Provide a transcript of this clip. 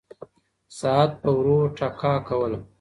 ساعت به ورو ټکا کوله.